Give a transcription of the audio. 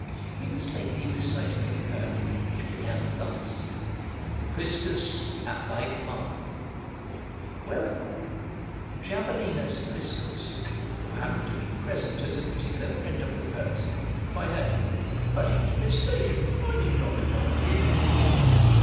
He was lately reciting a poem which began thus: "Priscus, at thy command" Whereupon Javolenus Priscus, who happened to be present as a particular friend of the poet's, cried out "But he is mistaken, I did not command him."